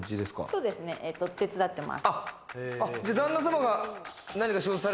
そうですね、手伝ってます。